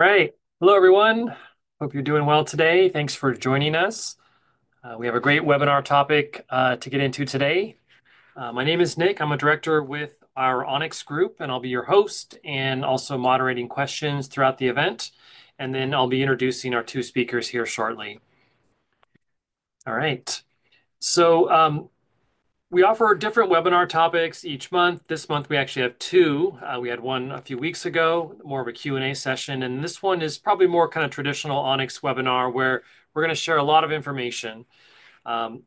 All right. Hello, everyone. Hope you're doing well today. Thanks for joining us. We have a great webinar topic to get into today. My name is Nick. I'm a director with our Onyx Group, and I'll be your host and also moderating questions throughout the event. And then I'll be introducing our two speakers here shortly. All right. So we offer different webinar topics each month. This month, we actually have two. We had one a few weeks ago, more of a Q&A session. And this one is probably more kind of traditional Onyx webinar where we're going to share a lot of information.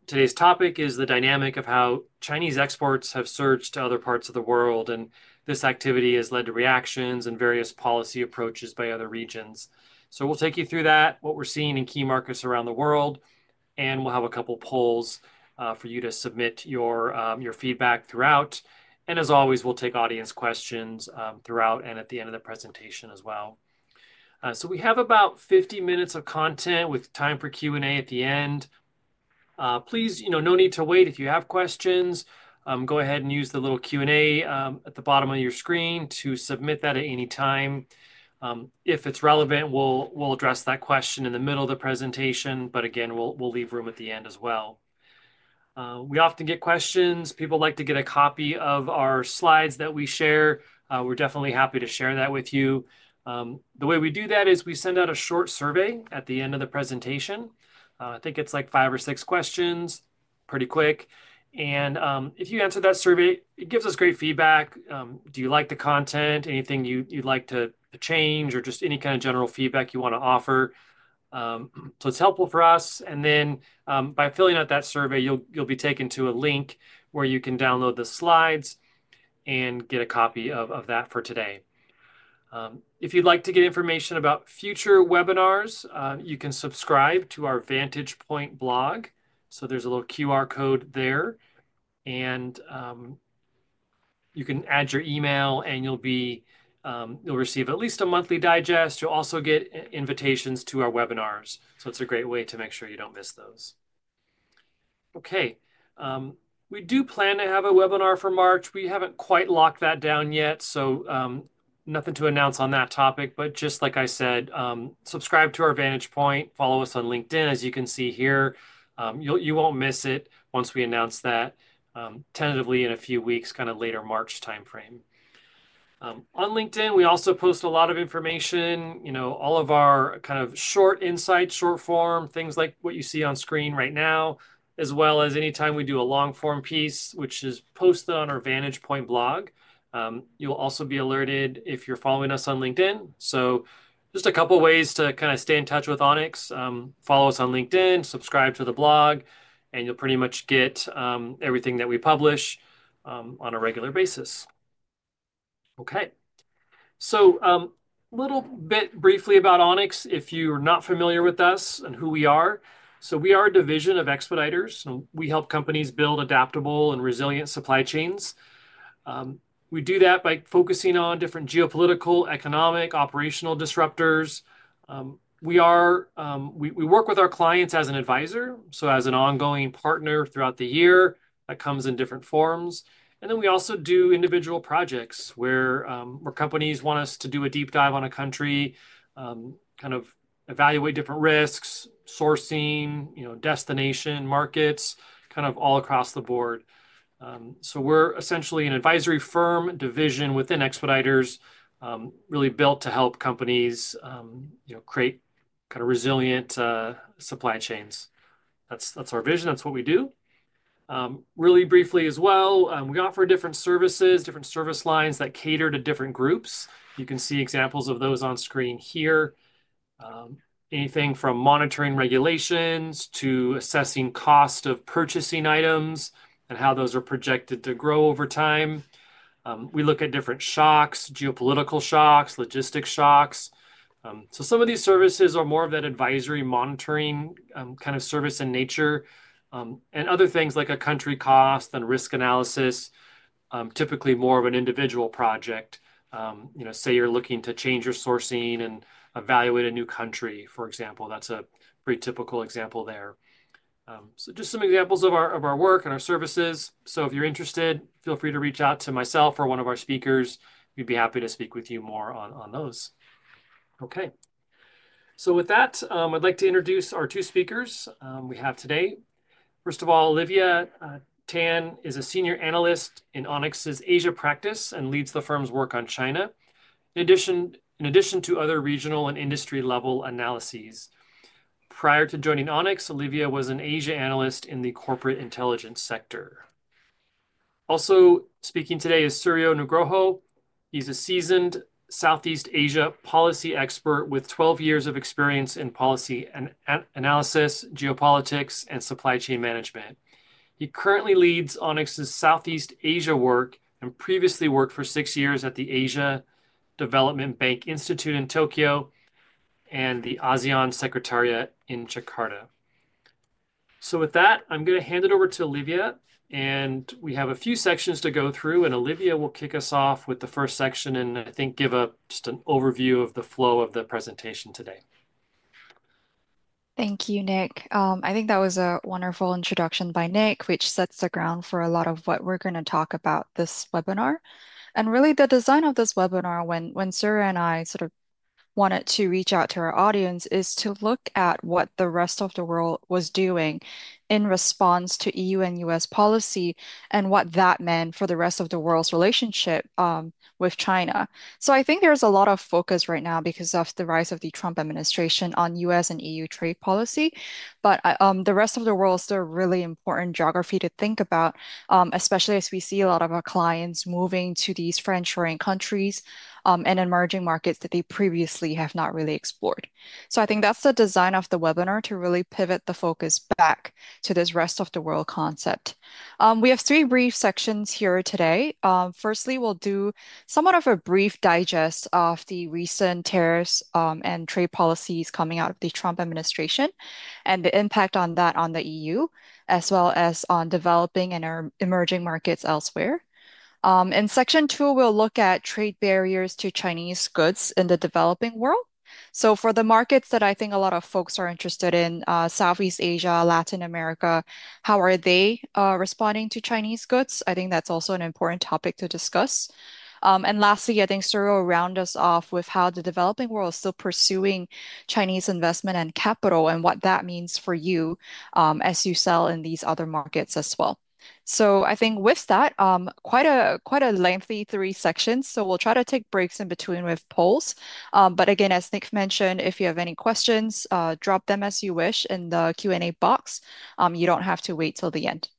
Today's topic is the dynamic of how Chinese exports have surged to other parts of the world, and this activity has led to reactions and various policy approaches by other regions. We'll take you through that, what we're seeing in key markets around the world, and we'll have a couple of polls for you to submit your feedback throughout. As always, we'll take audience questions throughout and at the end of the presentation as well. We have about 50 minutes of content with time for Q&A at the end. Please, no need to wait. If you have questions, go ahead and use the little Q&A at the bottom of your screen to submit that at any time. If it's relevant, we'll address that question in the middle of the presentation. But again, we'll leave room at the end as well. We often get questions. People like to get a copy of our slides that we share. We're definitely happy to share that with you. The way we do that is we send out a short survey at the end of the presentation. I think it's like five or six questions, pretty quick, and if you answer that survey, it gives us great feedback. Do you like the content? Anything you'd like to change or just any kind of general feedback you want to offer, so it's helpful for us, and then by filling out that survey, you'll be taken to a link where you can download the slides and get a copy of that for today. If you'd like to get information about future webinars, you can subscribe to our VantagePoint blog, so there's a little QR code there, and you can add your email, and you'll receive at least a monthly digest. You'll also get invitations to our webinars, so it's a great way to make sure you don't miss those. Okay. We do plan to have a webinar for March. We haven't quite locked that down yet. So nothing to announce on that topic. But just like I said, subscribe to our VantagePoint, follow us on LinkedIn, as you can see here. You won't miss it once we announce that, tentatively in a few weeks, kind of later March timeframe. On LinkedIn, we also post a lot of information, all of our kind of short insights, short form, things like what you see on screen right now, as well as anytime we do a long-form piece, which is posted on our VantagePoint blog. You'll also be alerted if you're following us on LinkedIn. So just a couple of ways to kind of stay in touch with Onyx. Follow us on LinkedIn, subscribe to the blog, and you'll pretty much get everything that we publish on a regular basis. Okay. So a little bit briefly about Onyx, if you're not familiar with us and who we are. So we are a division of Expeditors, and we help companies build adaptable and resilient supply chains. We do that by focusing on different geopolitical, economic, operational disruptors. We work with our clients as an advisor, so as an ongoing partner throughout the year. That comes in different forms. And then we also do individual projects where companies want us to do a deep dive on a country, kind of evaluate different risks, sourcing, destination markets, kind of all across the board. So we're essentially an advisory firm division within Expeditors, really built to help companies create kind of resilient supply chains. That's our vision. That's what we do. Really briefly as well, we offer different services, different service lines that cater to different groups. You can see examples of those on screen here. Anything from monitoring regulations to assessing cost of purchasing items and how those are projected to grow over time. We look at different shocks, geopolitical shocks, logistics shocks. So some of these services are more of that advisory monitoring kind of service in nature, and other things like a country cost and risk analysis, typically more of an individual project. Say you're looking to change your sourcing and evaluate a new country, for example. That's a pretty typical example there. So just some examples of our work and our services. So if you're interested, feel free to reach out to myself or one of our speakers. We'd be happy to speak with you more on those. Okay. So with that, I'd like to introduce our two speakers we have today. First of all, Olivia Tan is a senior analyst in Onyx's Asia practice and leads the firm's work on China, in addition to other regional and industry-level analyses. Prior to joining Onyx, Olivia was an Asia analyst in the corporate intelligence sector. Also speaking today is Suryo Nugroho. He's a seasoned Southeast Asia policy expert with 12 years of experience in policy and analysis, geopolitics, and supply chain management. He currently leads Onyx's Southeast Asia work and previously worked for six years at the Asian Development Bank Institute in Tokyo and the ASEAN Secretariat in Jakarta. So with that, I'm going to hand it over to Olivia, and we have a few sections to go through, and Olivia will kick us off with the first section and, I think, give just an overview of the flow of the presentation today. Thank you, Nick. I think that was a wonderful introduction by Nick, which sets the ground for a lot of what we're going to talk about this webinar. And really, the design of this webinar, when Suryo and I sort of wanted to reach out to our audience, is to look at what the rest of the world was doing in response to E.U. and U.S. policy and what that meant for the rest of the world's relationship with China. So I think there's a lot of focus right now because of the rise of the Trump administration on U.S. and E.U. trade policy. But the rest of the world is a really important geography to think about, especially as we see a lot of our clients moving to these friend-oriented countries and emerging markets that they previously have not really explored. So I think that's the design of the webinar to really pivot the focus back to this rest of the world concept. We have three brief sections here today. Firstly, we'll do somewhat of a brief digest of the recent tariffs and trade policies coming out of the Trump administration and the impact on that on the E.U., as well as on developing and emerging markets elsewhere. In section two, we'll look at trade barriers to Chinese goods in the developing world. So for the markets that I think a lot of folks are interested in, Southeast Asia, Latin America, how are they responding to Chinese goods? I think that's also an important topic to discuss. And lastly, I think Suryo will round us off with how the developing world is still pursuing Chinese investment and capital and what that means for you as you sell in these other markets as well. So I think with that, quite a lengthy three sections. So we'll try to take breaks in between with polls. But again, as Nick mentioned, if you have any questions, drop them as you wish in the Q&A box. You don't have to wait till the end.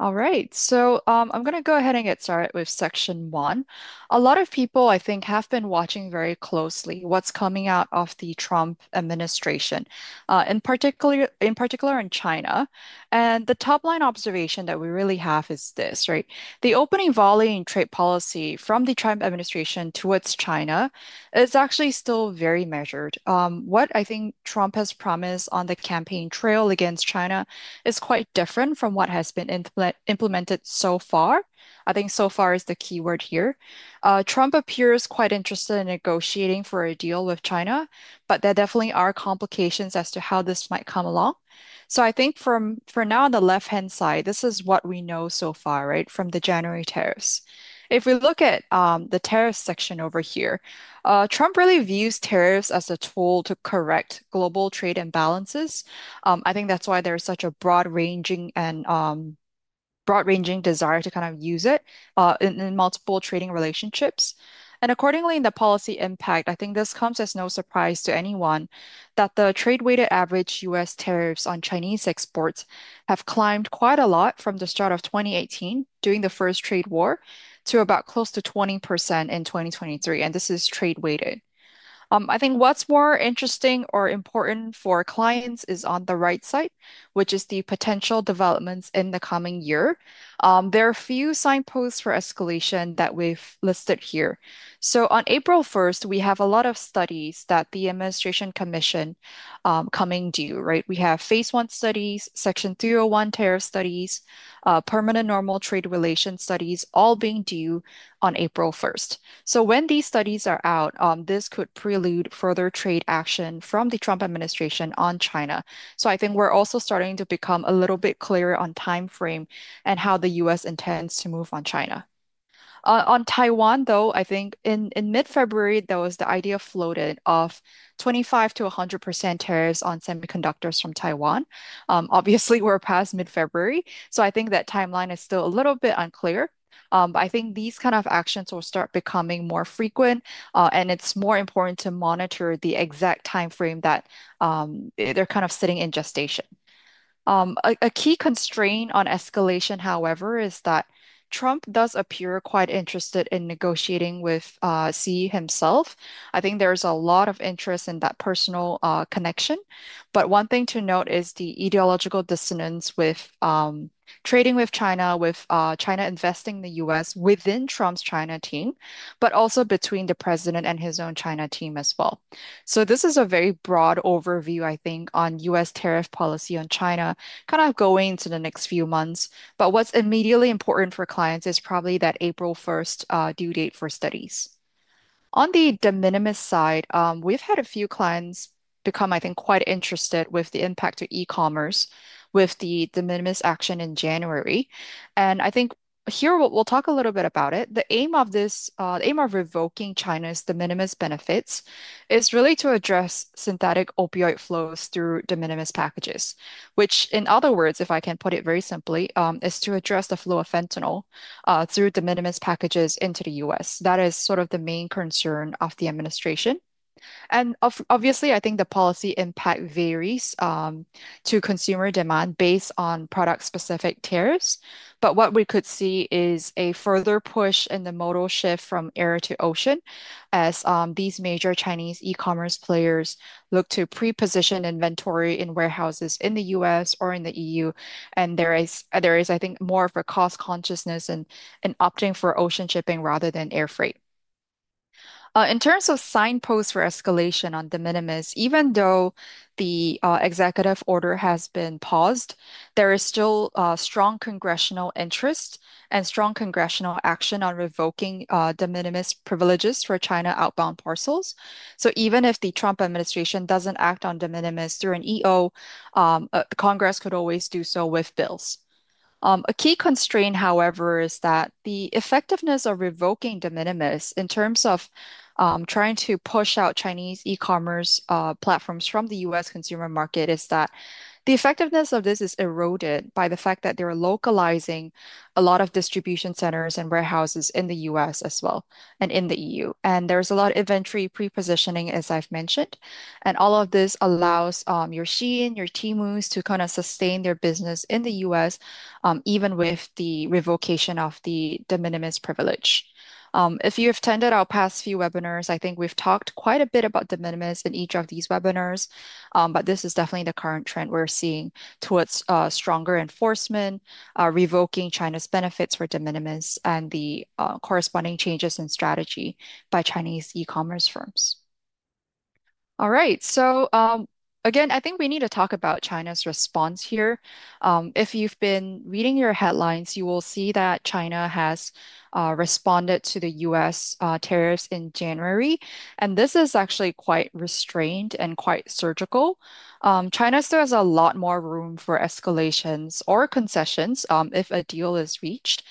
All right. So I'm going to go ahead and get started with section one. A lot of people, I think, have been watching very closely what's coming out of the Trump administration, in particular in China. And the top-line observation that we really have is this, right? The opening volley in trade policy from the Trump administration towards China is actually still very measured. What I think Trump has promised on the campaign trail against China is quite different from what has been implemented so far. I think so far is the key word here. Trump appears quite interested in negotiating for a deal with China, but there definitely are complications as to how this might come along. So I think for now, on the left-hand side, this is what we know so far, right, from the January tariffs. If we look at the tariffs section over here, Trump really views tariffs as a tool to correct global trade imbalances. I think that's why there's such a broad-ranging desire to kind of use it in multiple trading relationships. Accordingly, in the policy impact, I think this comes as no surprise to anyone that the trade-weighted average U.S. tariffs on Chinese exports have climbed quite a lot from the start of 2018 during the first trade war to about close to 20% in 2023. And this is trade-weighted. I think what's more interesting or important for clients is on the right side, which is the potential developments in the coming year. There are a few signposts for escalation that we've listed here. So on April 1st, we have a lot of studies that the administration commissioned are coming due, right? We have Phase I studies, Section 301 tariff studies, Permanent Normal Trade Relations studies all being due on April 1st. So when these studies are out, this could prelude further trade action from the Trump administration on China. So I think we're also starting to become a little bit clearer on timeframe and how the U.S. intends to move on China. On Taiwan, though, I think in mid-February, there was the idea floated of 25%-100% tariffs on semiconductors from Taiwan. Obviously, we're past mid-February. So I think that timeline is still a little bit unclear. But I think these kind of actions will start becoming more frequent, and it's more important to monitor the exact timeframe that they're kind of sitting in gestation. A key constraint on escalation, however, is that Trump does appear quite interested in negotiating with Xi himself. I think there's a lot of interest in that personal connection. But one thing to note is the ideological dissonance with trading with China, with China investing in the U.S. within Trump's China team, but also between the president and his own China team as well. So this is a very broad overview, I think, on U.S. tariff policy on China kind of going into the next few months. But what's immediately important for clients is probably that April 1st due date for studies. On the de minimis side, we've had a few clients become, I think, quite interested with the impact to e-commerce with the de minimis action in January. And I think here, we'll talk a little bit about it. The aim of revoking China's de minimis benefits is really to address synthetic opioid flows through de minimis packages, which, in other words, if I can put it very simply, is to address the flow of fentanyl through de minimis packages into the U.S. That is sort of the main concern of the administration, and obviously, I think the policy impact varies to consumer demand based on product-specific tariffs. But what we could see is a further push in the modal shift from air to ocean as these major Chinese e-commerce players look to pre-position inventory in warehouses in the U.S. or in the E.U., and there is, I think, more of a cost consciousness in opting for ocean shipping rather than air freight. In terms of signposts for escalation on de minimis, even though the executive order has been paused, there is still strong congressional interest and strong congressional action on revoking de minimis privileges for China outbound parcels. So even if the Trump administration doesn't act on de minimis through an EO, Congress could always do so with bills. A key constraint, however, is that the effectiveness of revoking de minimis in terms of trying to push out Chinese e-commerce platforms from the U.S. consumer market is that the effectiveness of this is eroded by the fact that they're localizing a lot of distribution centers and warehouses in the U.S. as well and in the E.U. And there's a lot of inventory pre-positioning, as I've mentioned. And all of this allows your Shein and your Temu to kind of sustain their business in the U.S., even with the revocation of the de minimis privilege. If you've attended our past few webinars, I think we've talked quite a bit about de minimis in each of these webinars. But this is definitely the current trend we're seeing towards stronger enforcement, revoking China's benefits for de minimis, and the corresponding changes in strategy by Chinese e-commerce firms. All right. So again, I think we need to talk about China's response here. If you've been reading your headlines, you will see that China has responded to the U.S. tariffs in January. And this is actually quite restrained and quite surgical. China still has a lot more room for escalations or concessions if a deal is reached.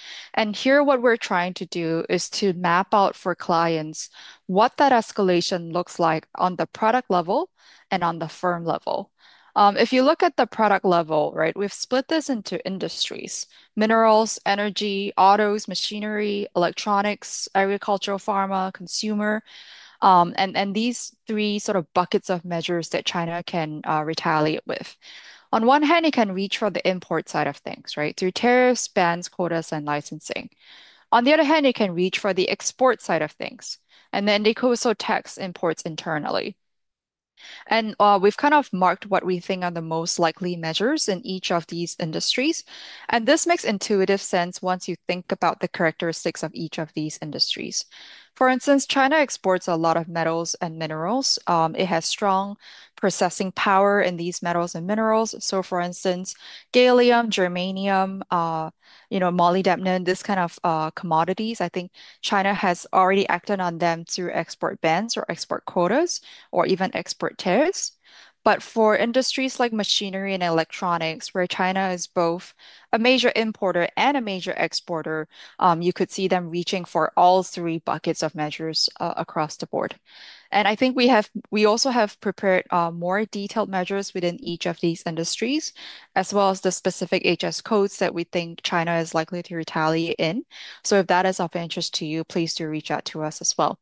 Here, what we're trying to do is to map out for clients what that escalation looks like on the product level and on the firm level. If you look at the product level, right, we've split this into industries: minerals, energy, autos, machinery, electronics, agricultural, pharma, consumer, and these three sort of buckets of measures that China can retaliate with. On one hand, it can reach for the import side of things, right, through tariffs, bans, quotas, and licensing. On the other hand, it can reach for the export side of things, and then they could also tax imports internally. And we've kind of marked what we think are the most likely measures in each of these industries. And this makes intuitive sense once you think about the characteristics of each of these industries. For instance, China exports a lot of metals and minerals. It has strong processing power in these metals and minerals. So for instance, gallium, germanium, molybdenum, this kind of commodities, I think China has already acted on them through export bans or export quotas or even export tariffs. But for industries like machinery and electronics, where China is both a major importer and a major exporter, you could see them reaching for all three buckets of measures across the board. And I think we also have prepared more detailed measures within each of these industries, as well as the specific HS codes that we think China is likely to retaliate in. So if that is of interest to you, please do reach out to us as well.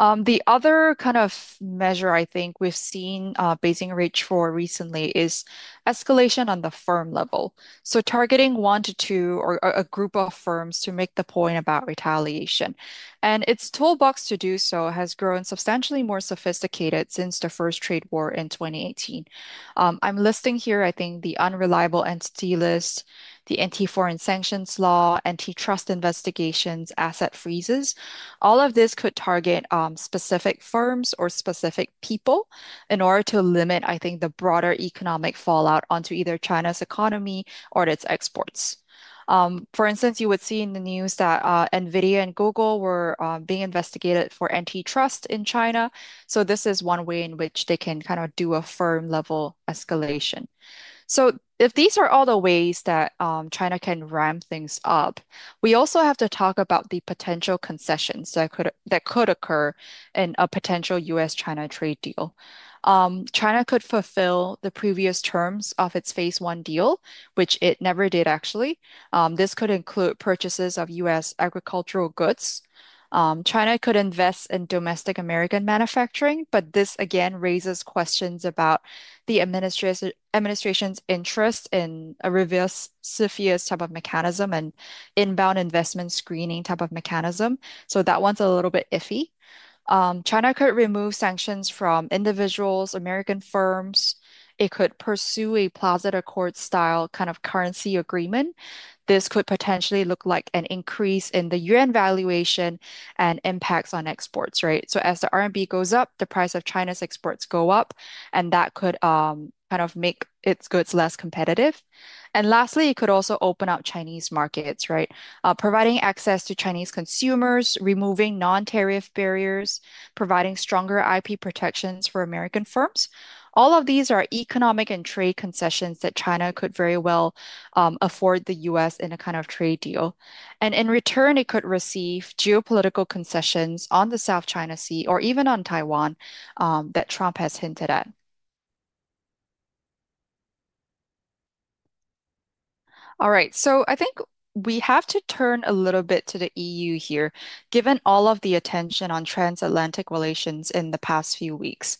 The other kind of measure I think we've seen Beijing reach for recently is escalation on the firm level. So targeting one to two or a group of firms to make the point about retaliation. And its toolbox to do so has grown substantially more sophisticated since the first trade war in 2018. I'm listing here, I think, the Unreliable Entity List, the Anti-Foreign Sanctions Law, antitrust investigations, asset freezes. All of this could target specific firms or specific people in order to limit, I think, the broader economic fallout onto either China's economy or its exports. For instance, you would see in the news that Nvidia and Google were being investigated for antitrust in China. So this is one way in which they can kind of do a firm-level escalation. So if these are all the ways that China can ramp things up, we also have to talk about the potential concessions that could occur in a potential U.S.-China trade deal. China could fulfill the previous terms of its phase I Deal, which it never did, actually. This could include purchases of U.S. agricultural goods. China could invest in domestic American manufacturing. But this, again, raises questions about the administration's interest in a reverse CFIUS type of mechanism and inbound investment screening type of mechanism. So that one's a little bit iffy. China could remove sanctions from individuals, American firms. It could pursue a Plaza Accord-style kind of currency agreement. This could potentially look like an increase in the RMB valuation and impacts on exports, right? So as the RMB goes up, the price of China's exports go up, and that could kind of make its goods less competitive. And lastly, it could also open up Chinese markets, right? Providing access to Chinese consumers, removing non-tariff barriers, providing stronger IP protections for American firms. All of these are economic and trade concessions that China could very well afford the U.S. in a kind of trade deal. And in return, it could receive geopolitical concessions on the South China Sea or even on Taiwan that Trump has hinted at. All right. So I think we have to turn a little bit to the E.U. here, given all of the attention on transatlantic relations in the past few weeks.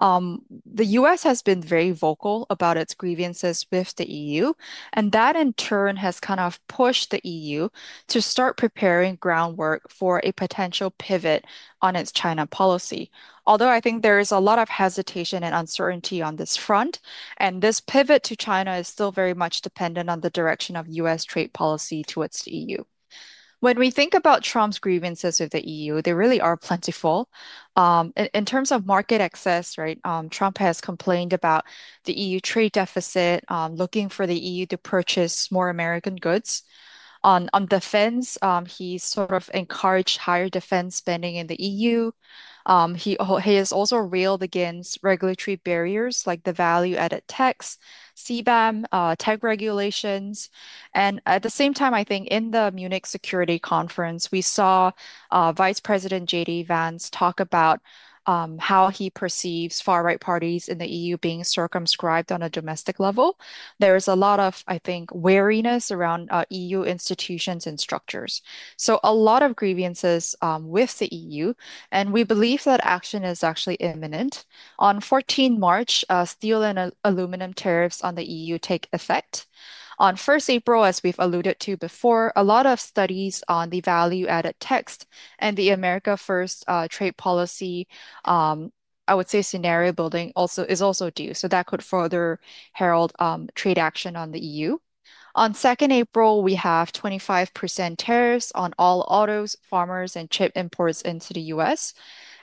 The U.S. has been very vocal about its grievances with the E.U., and that in turn has kind of pushed the E.U. to start preparing groundwork for a potential pivot on its China policy. Although I think there is a lot of hesitation and uncertainty on this front, and this pivot to China is still very much dependent on the direction of U.S. trade policy towards the E.U. When we think about Trump's grievances with the E.U., there really are plentiful. In terms of market access, right, Trump has complained about the E.U. trade deficit, looking for the E.U. to purchase more American goods. On defense, he's sort of encouraged higher defense spending in the E.U. He has also railed against regulatory barriers like the value-added tax, CBAM, tech regulations, and at the same time, I think in the Munich Security Conference, we saw Vice President J.D. Vance talk about how he perceives far-right parties in the E.U. being circumscribed on a domestic level. There is a lot of, I think, wariness around E.U. institutions and structures, so a lot of grievances with the E.U., and we believe that action is actually imminent. On 14 March, steel and aluminum tariffs on the E.U. take effect. On 1st April, as we've alluded to before, a lot of studies on the value-added tax and the America First trade policy, I would say scenario building is also due. So that could further herald trade action on the E.U. On 2nd April, we have 25% tariffs on all autos, farm, and chip imports into the U.S.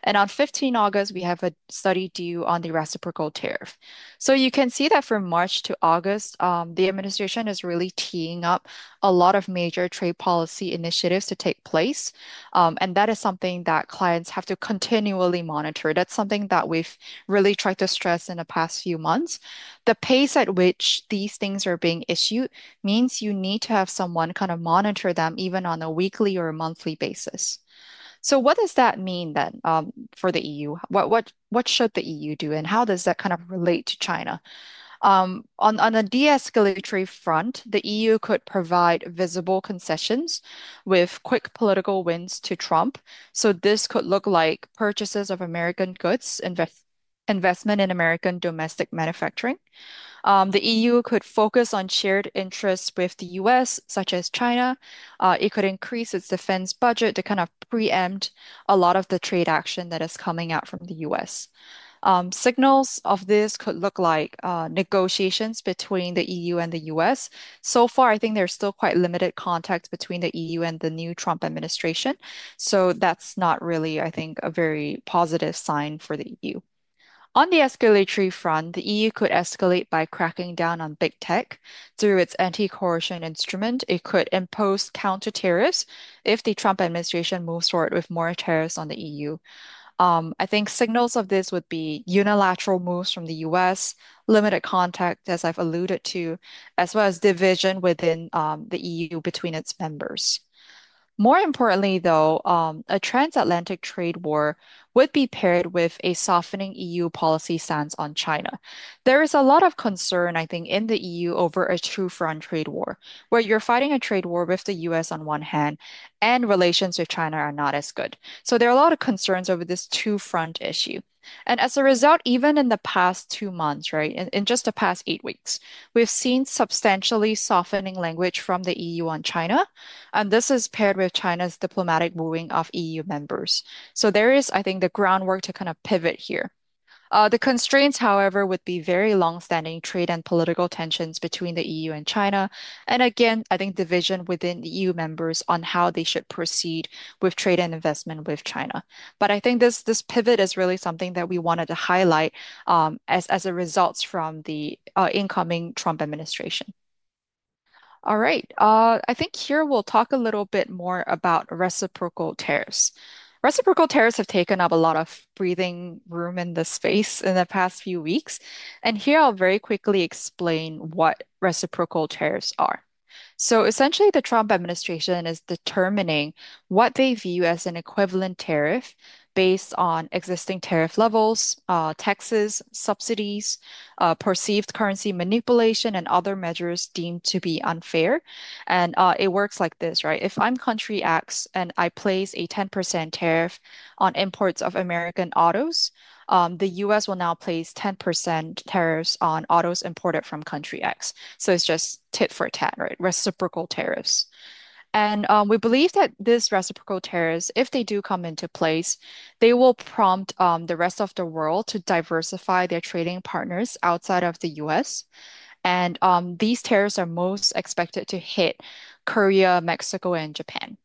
And on 15 August, we have a study due on the reciprocal tariff. So you can see that from March to August, the administration is really teeing up a lot of major trade policy initiatives to take place. And that is something that clients have to continually monitor. That's something that we've really tried to stress in the past few months. The pace at which these things are being issued means you need to have someone kind of monitor them even on a weekly or a monthly basis. So what does that mean then for the E.U.? What should the E.U. do, and how does that kind of relate to China? On the de-escalatory front, the E.U. could provide visible concessions with quick political wins to Trump. So this could look like purchases of American goods, investment in American domestic manufacturing. The E.U. could focus on shared interests with the U.S., such as China. It could increase its defense budget to kind of preempt a lot of the trade action that is coming out from the U.S. Signals of this could look like negotiations between the E.U. and the U.S. So far, I think there's still quite limited contact between the E.U. and the new Trump administration. So that's not really, I think, a very positive sign for the E.U. On the escalatory front, the E.U. could escalate by cracking down on big tech through its Anti-Coercion Instrument. It could impose counter tariffs if the Trump administration moves forward with more tariffs on the E.U. I think signals of this would be unilateral moves from the U.S., limited contact, as I've alluded to, as well as division within the E.U. between its members. More importantly, though, a transatlantic trade war would be paired with a softening E.U. policy stance on China. There is a lot of concern, I think, in the E.U. over a two-front trade war, where you're fighting a trade war with the U.S. on one hand, and relations with China are not as good, so there are a lot of concerns over this two-front issue, and as a result, even in the past two months, right, in just the past eight weeks, we've seen substantially softening language from the E.U. on China, and this is paired with China's diplomatic moving of E.U. members. So there is, I think, the groundwork to kind of pivot here. The constraints, however, would be very long-standing trade and political tensions between the E.U. and China. And again, I think division within the E.U. members on how they should proceed with trade and investment with China. But I think this pivot is really something that we wanted to highlight as a result from the incoming Trump administration. All right. I think here we'll talk a little bit more about reciprocal tariffs. Reciprocal tariffs have taken up a lot of breathing room in this space in the past few weeks. And here, I'll very quickly explain what reciprocal tariffs are. So essentially, the Trump administration is determining what they view as an equivalent tariff based on existing tariff levels, taxes, subsidies, perceived currency manipulation, and other measures deemed to be unfair. And it works like this, right? If I'm country X and I place a 10% tariff on imports of American autos, the U.S. will now place 10% tariffs on autos imported from country X. So it's just tit for tat, right? Reciprocal tariffs. And we believe that these reciprocal tariffs, if they do come into place, they will prompt the rest of the world to diversify their trading partners outside of the U.S. And these tariffs are most expected to hit Korea, Mexico, and Japan.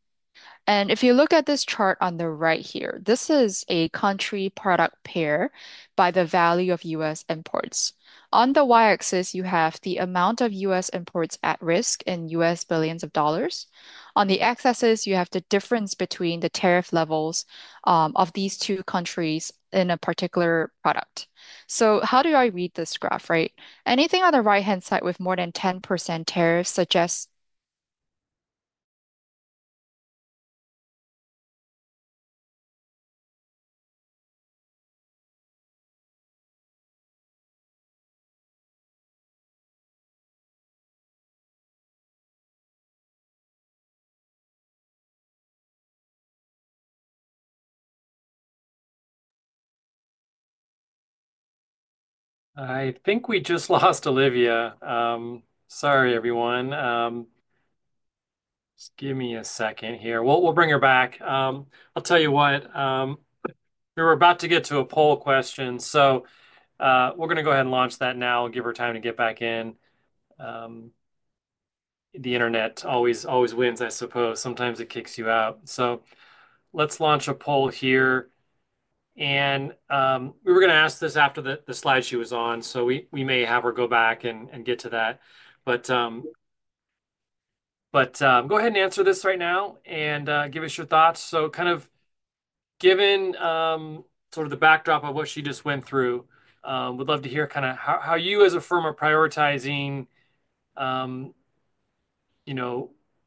And if you look at this chart on the right here, this is a country-product pair by the value of U.S. imports. On the y-axis, you have the amount of U.S. imports at risk in U.S. billions of dollars. On the x-axis, you have the difference between the tariff levels of these two countries in a particular product. So how do I read this graph, right? Anything on the right-hand side with more than 10% tariffs suggests. I think we just lost Olivia. Sorry, everyone. Just give me a second here. We'll bring her back. I'll tell you what. We were about to get to a poll question. So we're going to go ahead and launch that now. We'll give her time to get back in. The internet always wins, I suppose. Sometimes it kicks you out. So let's launch a poll here. And we were going to ask this after the slidesheet was on. So we may have her go back and get to that. But go ahead and answer this right now and give us your thoughts. So kind of given sort of the backdrop of what she just went through, we'd love to hear kind of how you as a firm are prioritizing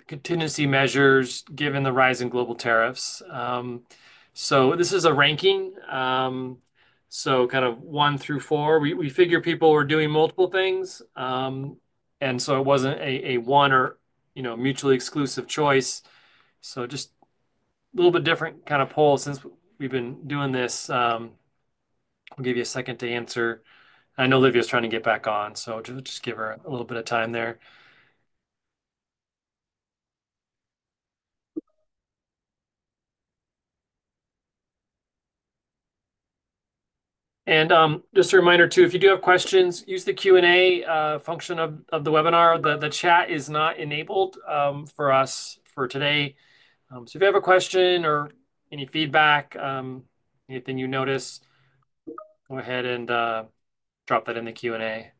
contingency measures given the rise in global tariffs. This is a ranking. So kind of one through four. We figure people are doing multiple things. And so it wasn't a one or mutually exclusive choice. So just a little bit different kind of poll since we've been doing this. We'll give you a second to answer. I know Olivia is trying to get back on. So just give her a little bit of time there. And just a reminder too, if you do have questions, use the Q&A function of the webinar. The chat is not enabled for us for today. So if you have a question or any feedback, anything you notice, go ahead and drop that in the Q&A.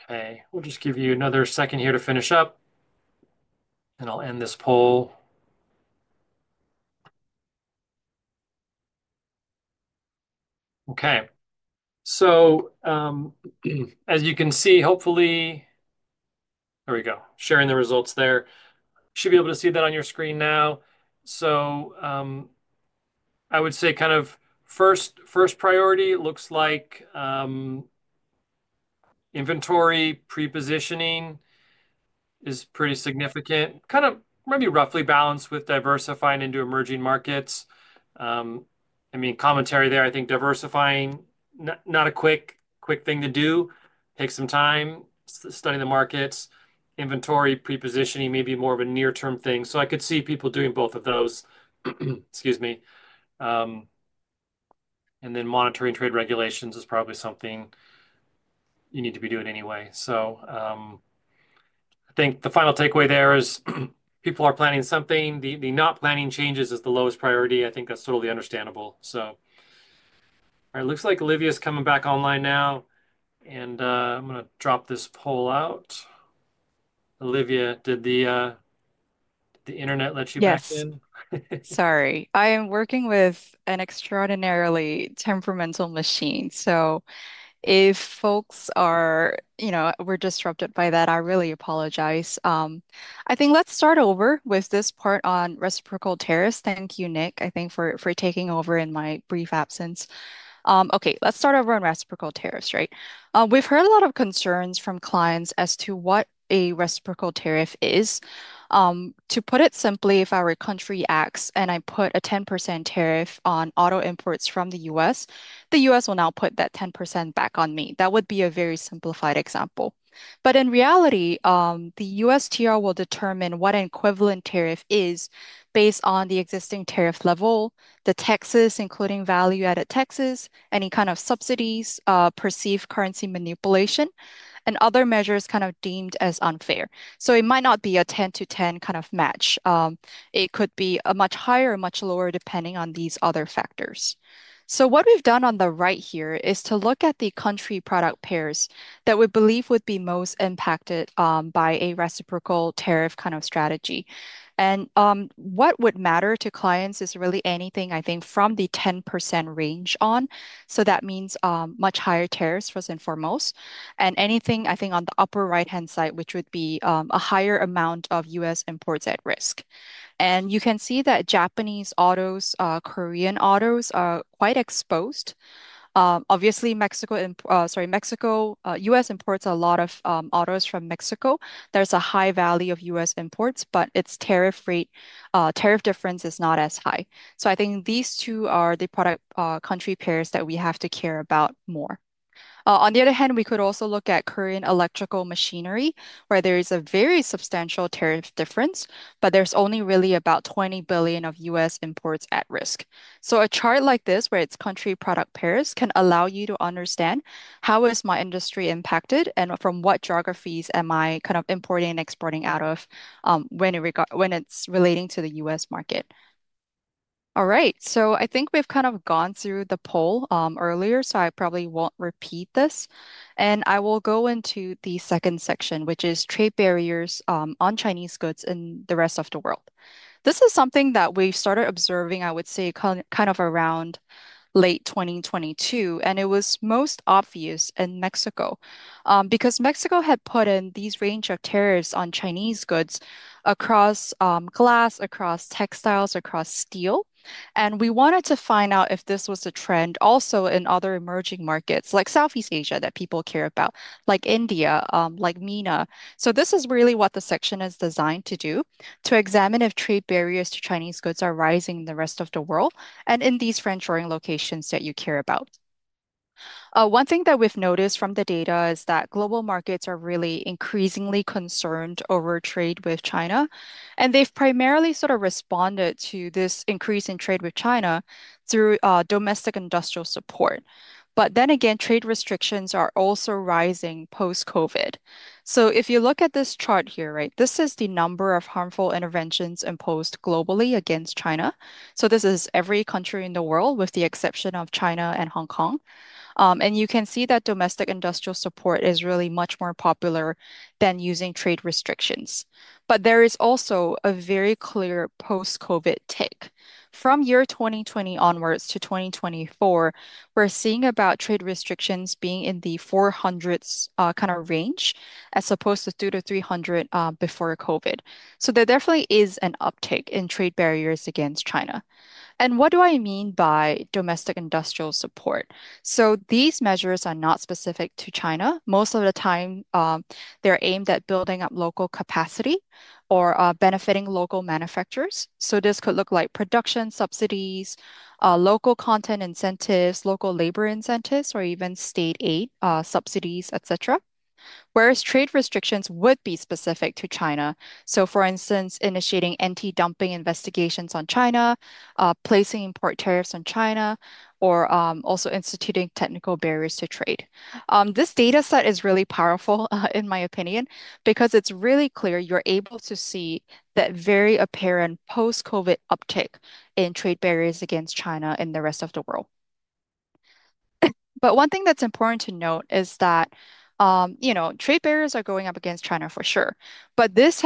Okay. We'll just give you another second here to finish up. And I'll end this poll. Okay. So as you can see, hopefully there we go. Sharing the results there. You should be able to see that on your screen now, so I would say kind of first priority looks like inventory prepositioning is pretty significant, kind of maybe roughly balanced with diversifying into emerging markets. I mean, commentary there, I think diversifying, not a quick thing to do. Take some time studying the markets. Inventory prepositioning may be more of a near-term thing, so I could see people doing both of those. Excuse me, and then monitoring trade regulations is probably something you need to be doing anyway, so I think the final takeaway there is people are planning something. The not planning changes is the lowest priority. I think that's totally understandable, so it looks like Olivia is coming back online now, and I'm going to drop this poll out. Olivia, did the internet let you back in? Yes. Sorry. I am working with an extraordinarily temperamental machine. So if folks were disrupted by that, I really apologize. I think let's start over with this part on reciprocal tariffs. Thank you, Nick, I think, for taking over in my brief absence. Okay. Let's start over on reciprocal tariffs, right? We've heard a lot of concerns from clients as to what a reciprocal tariff is. To put it simply, if I were country X and I put a 10% tariff on auto imports from the U.S., the U.S. will now put that 10% back on me. That would be a very simplified example. But in reality, the USTR will determine what an equivalent tariff is based on the existing tariff level, the taxes, including value-added taxes, any kind of subsidies, perceived currency manipulation, and other measures kind of deemed as unfair. So it might not be a 10 to 10 kind of match. It could be a much higher or much lower depending on these other factors. So what we've done on the right here is to look at the country product pairs that we believe would be most impacted by a reciprocal tariff kind of strategy. And what would matter to clients is really anything, I think, from the 10% range on. So that means much higher tariffs first and foremost. And anything, I think, on the upper right-hand side, which would be a higher amount of U.S. imports at risk. And you can see that Japanese autos, Korean autos are quite exposed. Obviously, Mexico, sorry, U.S. imports a lot of autos from Mexico. There's a high value of U.S. imports, but its tariff difference is not as high. So I think these two are the product country pairs that we have to care about more. On the other hand, we could also look at Korean electrical machinery, where there is a very substantial tariff difference, but there's only really about $20 billion of U.S. imports at risk. So a chart like this, where it's country product pairs, can allow you to understand how is my industry impacted and from what geographies am I kind of importing and exporting out of when it's relating to the U.S. market. All right. So I think we've kind of gone through the poll earlier, so I probably won't repeat this. And I will go into the second section, which is trade barriers on Chinese goods in the rest of the world. This is something that we started observing, I would say, kind of around late 2022. And it was most obvious in Mexico because Mexico had put in these range of tariffs on Chinese goods across glass, across textiles, across steel. And we wanted to find out if this was a trend also in other emerging markets like Southeast Asia that people care about, like India, like MENA. So this is really what the section is designed to do, to examine if trade barriers to Chinese goods are rising in the rest of the world and in these friend-shoring locations that you care about. One thing that we've noticed from the data is that global markets are really increasingly concerned over trade with China. And they've primarily sort of responded to this increase in trade with China through domestic industrial support. But then again, trade restrictions are also rising post-COVID. If you look at this chart here, right, this is the number of harmful interventions imposed globally against China. This is every country in the world with the exception of China and Hong Kong. You can see that domestic industrial support is really much more popular than using trade restrictions. There is also a very clear post-COVID uptick. From year 2020 onwards to 2024, we're seeing about trade restrictions being in the 400s kind of range as opposed to 200 to 300 before COVID. There definitely is an uptick in trade barriers against China. What do I mean by domestic industrial support? These measures are not specific to China. Most of the time, they're aimed at building up local capacity or benefiting local manufacturers. This could look like production subsidies, local content incentives, local labor incentives, or even state aid subsidies, etc. Whereas trade restrictions would be specific to China. So for instance, initiating anti-dumping investigations on China, placing import tariffs on China, or also instituting technical barriers to trade. This data set is really powerful, in my opinion, because it's really clear you're able to see that very apparent post-COVID uptick in trade barriers against China in the rest of the world. But one thing that's important to note is that trade barriers are going up against China for sure. But this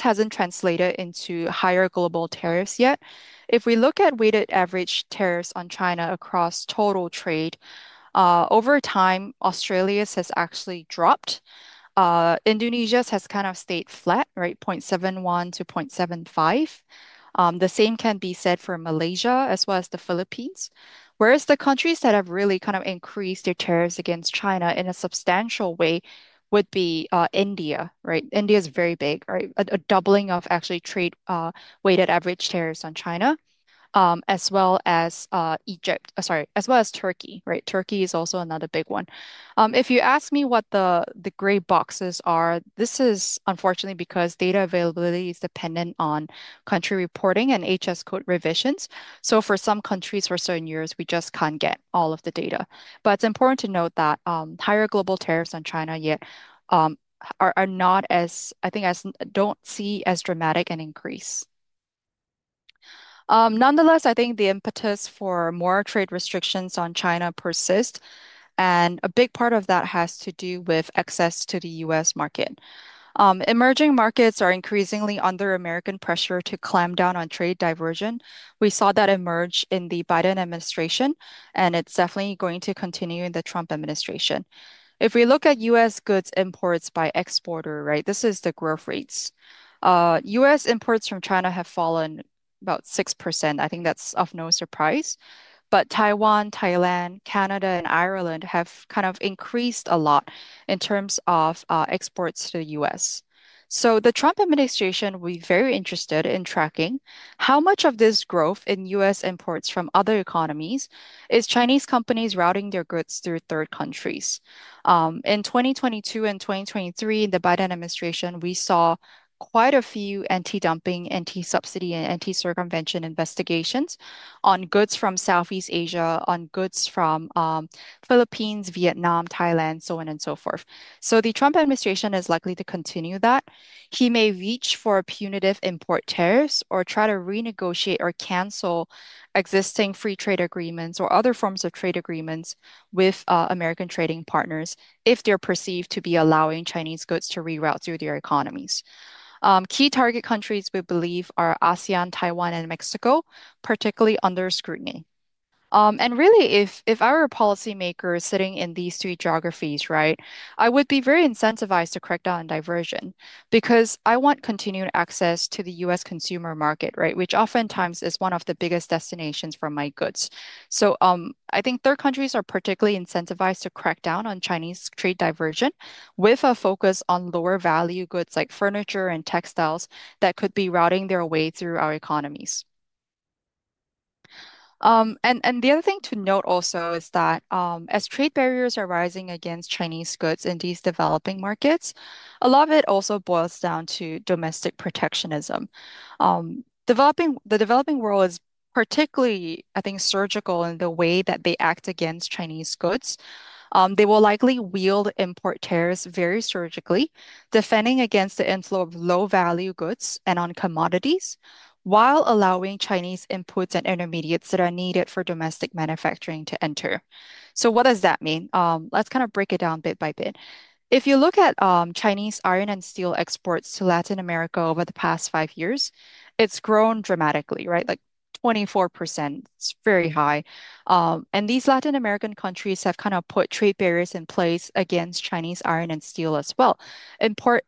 hasn't translated into higher global tariffs yet. If we look at weighted average tariffs on China across total trade, over time, Australia has actually dropped. Indonesia has kind of stayed flat, right? 0.71-0.75. The same can be said for Malaysia as well as the Philippines. Whereas the countries that have really kind of increased their tariffs against China in a substantial way would be India, right? India is very big, right? A doubling of actually trade weighted average tariffs on China, as well as Egypt, sorry, as well as Turkey, right? Turkey is also another big one. If you ask me what the gray boxes are, this is unfortunately because data availability is dependent on country reporting and HS code revisions. So for some countries, for certain years, we just can't get all of the data. But it's important to note that higher global tariffs on China yet are not as, I think, as don't see as dramatic an increase. Nonetheless, I think the impetus for more trade restrictions on China persist. And a big part of that has to do with access to the U.S. market. Emerging markets are increasingly under American pressure to clamp down on trade diversion. We saw that emerge in the Biden administration, and it's definitely going to continue in the Trump administration. If we look at U.S. goods imports by exporter, right, this is the growth rates. U.S. imports from China have fallen about 6%. I think that's of no surprise, but Taiwan, Thailand, Canada, and Ireland have kind of increased a lot in terms of exports to the U.S., so the Trump administration, we're very interested in tracking how much of this growth in U.S. imports from other economies is Chinese companies routing their goods through third countries. In 2022 and 2023, in the Biden administration, we saw quite a few anti-dumping, anti-subsidy, and anti-circumvention investigations on goods from Southeast Asia, on goods from Philippines, Vietnam, Thailand, so on and so forth, so the Trump administration is likely to continue that. He may reach for punitive import tariffs or try to renegotiate or cancel existing free trade agreements or other forms of trade agreements with American trading partners if they're perceived to be allowing Chinese goods to reroute through their economies. Key target countries we believe are ASEAN, Taiwan, and Mexico, particularly under scrutiny, and really, if our policymakers are sitting in these three geographies, right, I would be very incentivized to crack down on diversion because I want continued access to the U.S. consumer market, right, which oftentimes is one of the biggest destinations for my goods, so I think third countries are particularly incentivized to crack down on Chinese trade diversion with a focus on lower value goods like furniture and textiles that could be routing their way through our economies. The other thing to note also is that as trade barriers are rising against Chinese goods in these developing markets, a lot of it also boils down to domestic protectionism. The developing world is particularly, I think, surgical in the way that they act against Chinese goods. They will likely wield import tariffs very surgically, defending against the inflow of low value goods and on commodities while allowing Chinese inputs and intermediates that are needed for domestic manufacturing to enter. So what does that mean? Let's kind of break it down bit by bit. If you look at Chinese iron and steel exports to Latin America over the past five years, it's grown dramatically, right? Like 24%. It's very high. And these Latin American countries have kind of put trade barriers in place against Chinese iron and steel as well, in part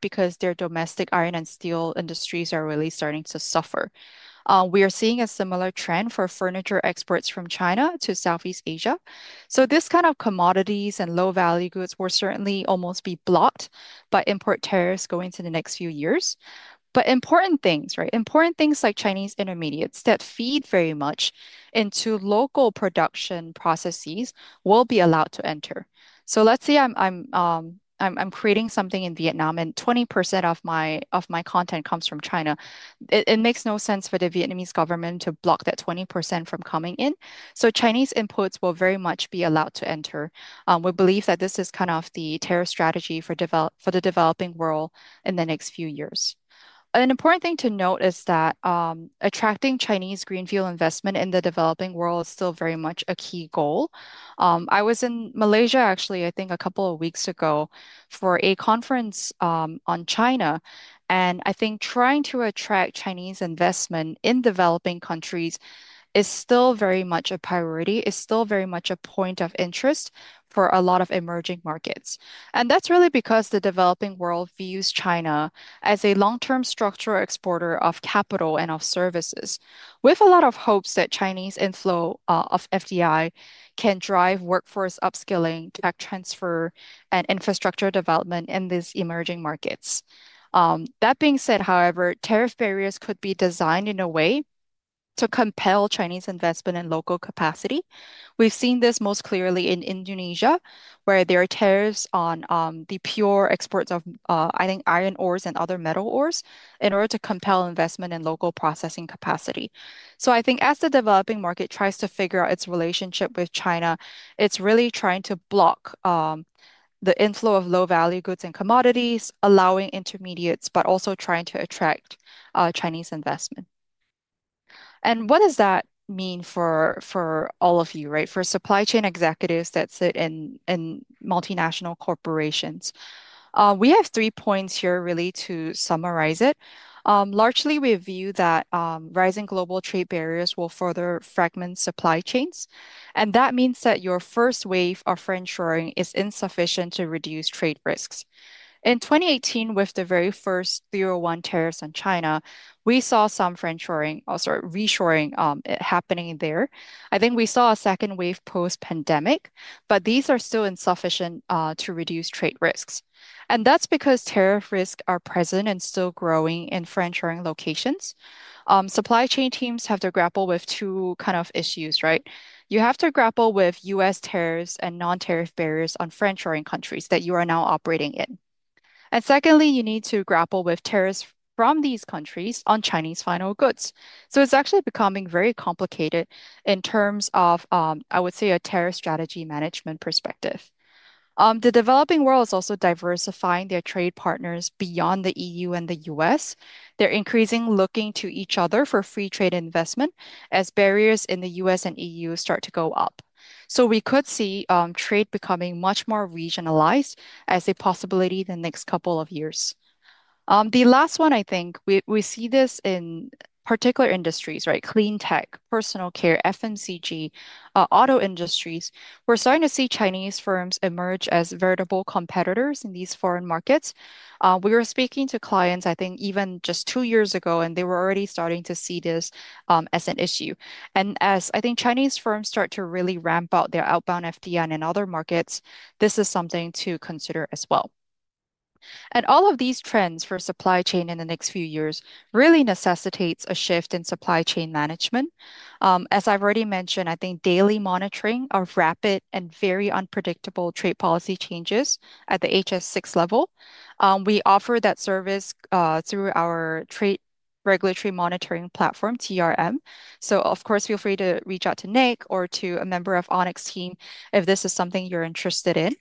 because their domestic iron and steel industries are really starting to suffer. We are seeing a similar trend for furniture exports from China to Southeast Asia. So this kind of commodities and low value goods will certainly almost be blocked by import tariffs going into the next few years. But important things, right? Important things like Chinese intermediates that feed very much into local production processes will be allowed to enter. So let's say I'm creating something in Vietnam and 20% of my content comes from China. It makes no sense for the Vietnamese government to block that 20% from coming in. So Chinese inputs will very much be allowed to enter. We believe that this is kind of the tariff strategy for the developing world in the next few years. An important thing to note is that attracting Chinese greenfield investment in the developing world is still very much a key goal. I was in Malaysia, actually, I think a couple of weeks ago for a conference on China, and I think trying to attract Chinese investment in developing countries is still very much a priority, is still very much a point of interest for a lot of emerging markets, and that's really because the developing world views China as a long-term structural exporter of capital and of services, with a lot of hopes that Chinese inflow of FDI can drive workforce upskilling, tech transfer, and infrastructure development in these emerging markets. That being said, however, tariff barriers could be designed in a way to compel Chinese investment in local capacity. We've seen this most clearly in Indonesia, where there are tariffs on the pure exports of, I think, iron ores and other metal ores in order to compel investment in local processing capacity. So I think as the developing market tries to figure out its relationship with China, it's really trying to block the inflow of low value goods and commodities, allowing intermediates, but also trying to attract Chinese investment. And what does that mean for all of you, right? For supply chain executives that sit in multinational corporations, we have three points here really to summarize it. Largely, we view that rising global trade barriers will further fragment supply chains. And that means that your first wave of friend-shoring is insufficient to reduce trade risks. In 2018, with the very first 301 tariffs on China, we saw some friend-shoring, or sorry, reshoring happening there. I think we saw a second wave post-pandemic, but these are still insufficient to reduce trade risks, and that's because tariff risks are present and still growing in friend-shoring locations. Supply chain teams have to grapple with two kind of issues, right? You have to grapple with U.S. tariffs and non-tariff barriers on friend-shoring countries that you are now operating in, and secondly, you need to grapple with tariffs from these countries on Chinese final goods, so it's actually becoming very complicated in terms of, I would say, a tariff strategy management perspective. The developing world is also diversifying their trade partners beyond the E.U. and the U.S. They're increasingly looking to each other for free trade investment as barriers in the U.S. and E.U. start to go up, so we could see trade becoming much more regionalized as a possibility in the next couple of years. The last one, I think, we see this in particular industries, right? Clean tech, personal care, FMCG, auto industries. We're starting to see Chinese firms emerge as veritable competitors in these foreign markets. We were speaking to clients, I think, even just two years ago, and they were already starting to see this as an issue. And as I think Chinese firms start to really ramp up their outbound FDI in other markets, this is something to consider as well. And all of these trends for supply chain in the next few years really necessitate a shift in supply chain management. As I've already mentioned, I think daily monitoring of rapid and very unpredictable trade policy changes at the HS6 level. We offer that service through our Trade Regulatory Monitoring Platform, TRM. Of course, feel free to reach out to Nick or to a member of Onyx team if this is something you're interested in.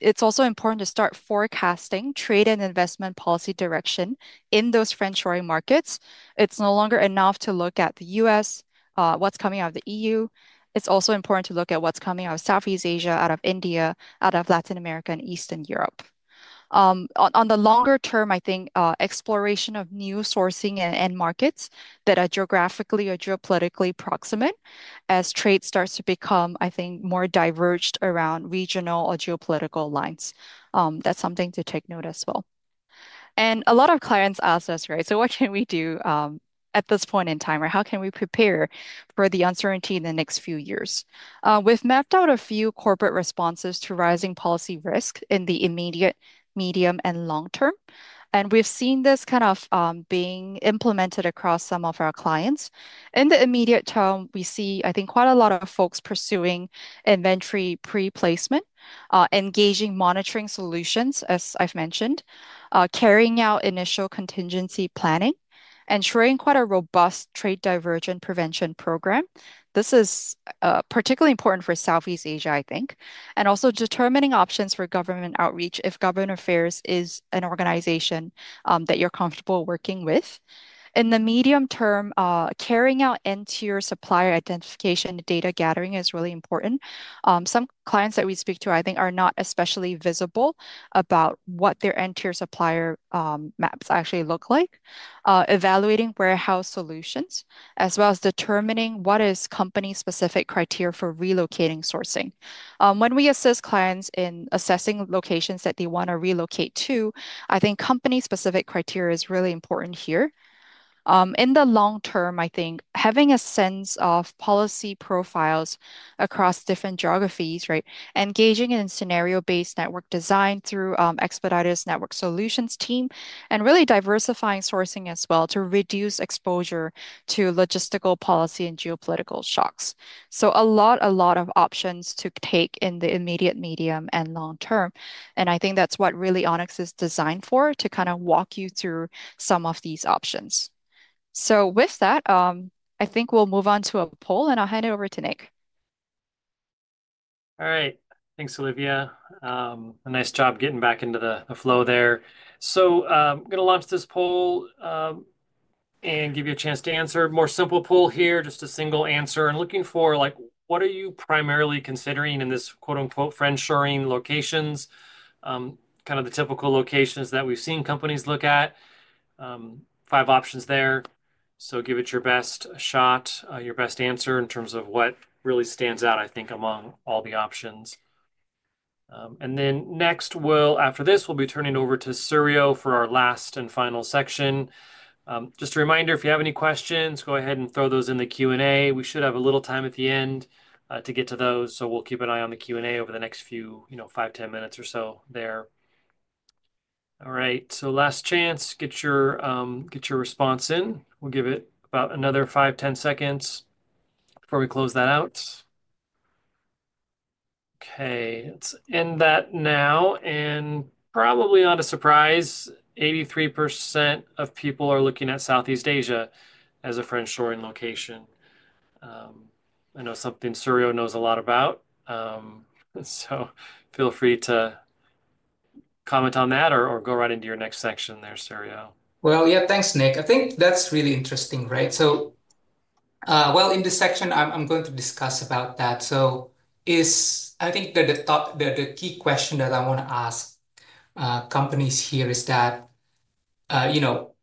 It's also important to start forecasting trade and investment policy direction in those friend-shoring markets. It's no longer enough to look at the U.S., what's coming out of the E.U. It's also important to look at what's coming out of Southeast Asia, out of India, out of Latin America and Eastern Europe. On the longer term, I think exploration of new sourcing and markets that are geographically or geopolitically proximate as trade starts to become, I think, more diverged around regional or geopolitical lines. That's something to take note as well. And a lot of clients ask us, right? So what can we do at this point in time, or how can we prepare for the uncertainty in the next few years? We've mapped out a few corporate responses to rising policy risks in the immediate, medium, and long term, and we've seen this kind of being implemented across some of our clients. In the immediate term, we see, I think, quite a lot of folks pursuing inventory pre-placement, engaging monitoring solutions, as I've mentioned, carrying out initial contingency planning, ensuring quite a robust trade diversion prevention program. This is particularly important for Southeast Asia, I think, and also determining options for government outreach if government affairs is an organization that you're comfortable working with. In the medium term, carrying out N-tier supplier identification data gathering is really important. Some clients that we speak to, I think, are not especially visible about what their N-tier supplier maps actually look like, evaluating warehouse solutions, as well as determining what is company-specific criteria for relocating sourcing. When we assist clients in assessing locations that they want to relocate to, I think company-specific criteria is really important here. In the long term, I think having a sense of policy profiles across different geographies, right, engaging in scenario-based network design through Expeditors Network Solutions team, and really diversifying sourcing as well to reduce exposure to logistical policy and geopolitical shocks. So a lot, a lot of options to take in the immediate, medium, and long term. And I think that's what really Onyx is designed for, to kind of walk you through some of these options. So with that, I think we'll move on to a poll, and I'll hand it over to Nick. All right. Thanks, Olivia. A nice job getting back into the flow there. So I'm going to launch this poll and give you a chance to answer. More simple poll here, just a single answer. And looking for, like, what are you primarily considering in this quote-unquote friend-shoring locations, kind of the typical locations that we've seen companies look at? Five options there. So give it your best shot, your best answer in terms of what really stands out, I think, among all the options. And then next, after this, we'll be turning over to Suryo for our last and final section. Just a reminder, if you have any questions, go ahead and throw those in the Q&A. We should have a little time at the end to get to those. So we'll keep an eye on the Q&A over the next few, you know, five, ten minutes or so there. All right. So last chance, get your response in. We'll give it about another five, ten seconds before we close that out. Okay. Let's end that now. And probably not a surprise, 83% of people are looking at Southeast Asia as a friend-shoring location. I know something Suryo knows a lot about. So feel free to comment on that or go right into your next section there, Suryo. Well, yeah, thanks, Nick. I think that's really interesting, right? So, well, in this section, I'm going to discuss about that. So I think the key question that I want to ask companies here is that, you know,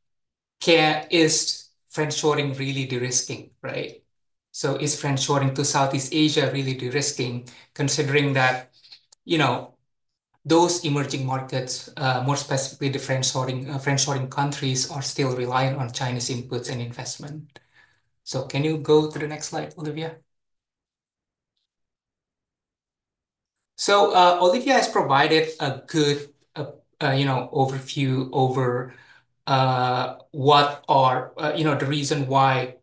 is friend-shoring really de-risking, right? So is friend-shoring to Southeast Asia really de-risking, considering that, you know, those emerging markets, more specifically the friend-shoring countries, are still reliant on Chinese inputs and investment? So can you go to the next slide, Olivia? So Olivia has provided a good, you know, overview over what are, you know, the reason why,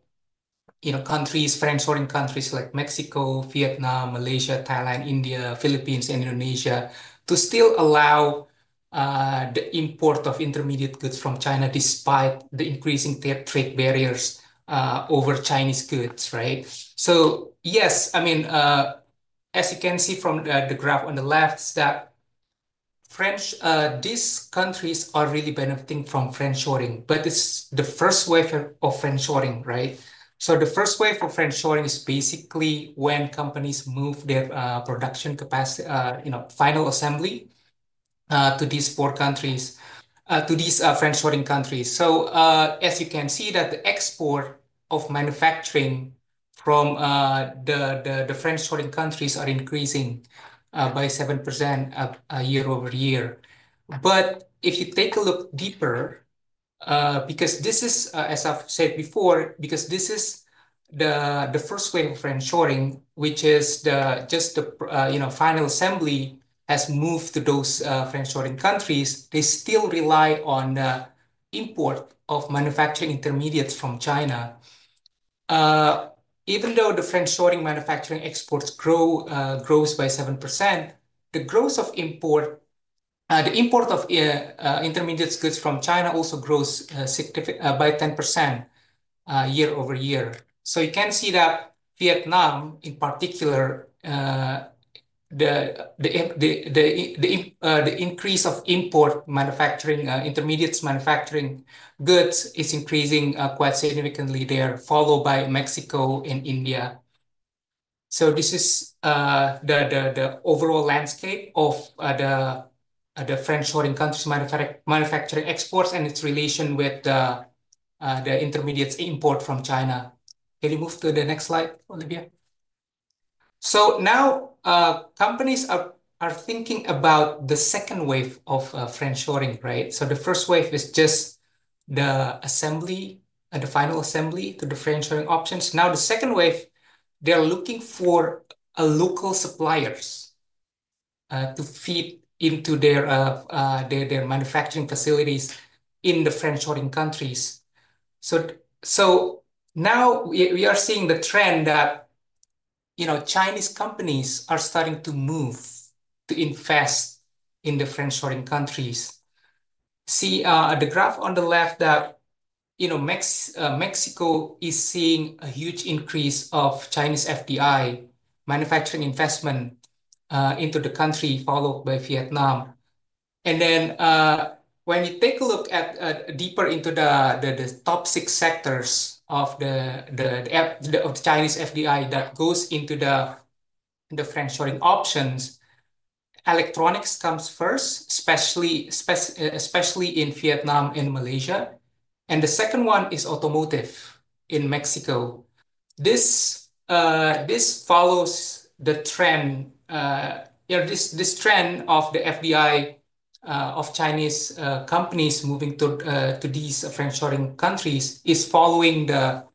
you know, countries, friend-shoring countries like Mexico, Vietnam, Malaysia, Thailand, India, Philippines, and Indonesia to still allow the import of intermediate goods from China despite the increasing trade barriers over Chinese goods, right? So yes, I mean, as you can see from the graph on the left, that these countries are really benefiting from friend-shoring, but it's the first wave of friend-shoring, right? So the first wave of friend-shoring is basically when companies move their production capacity, you know, final assembly to these four countries, to these friend-shoring countries. So as you can see, that the export of manufacturing from the friend-shoring countries are increasing by 7% year-over-year. But if you take a look deeper, because this is, as I've said before, because this is the first wave of friend-shoring, which is just the, you know, final assembly has moved to those friend-shoring countries, they still rely on the import of manufacturing intermediates from China. Even though the friend-shoring manufacturing exports grow by 7%, the growth of import, the import of intermediate goods from China also grows by 10% year-over-year. So you can see that Vietnam, in particular, the increase of import manufacturing, intermediates manufacturing goods is increasing quite significantly there, followed by Mexico and India. So this is the overall landscape of the friend-shoring countries' manufacturing exports and its relation with the intermediates import from China. Can you move to the next slide, Olivia? So now companies are thinking about the second wave of friend-shoring, right? So the first wave is just the assembly, the final assembly to the friend-shoring options. Now the second wave, they're looking for local suppliers to feed into their manufacturing facilities in the friend-shoring countries. So now we are seeing the trend that, you know, Chinese companies are starting to move to invest in the friend-shoring countries. See the graph on the left that, you know, Mexico is seeing a huge increase of Chinese FDI manufacturing investment into the country, followed by Vietnam. And then when you take a look deeper into the top six sectors of the Chinese FDI that goes into the friend-shoring options, electronics comes first, especially in Vietnam and Malaysia. And the second one is automotive in Mexico. This follows the trend, this trend of the FDI of Chinese companies moving to these friend-shoring countries is following the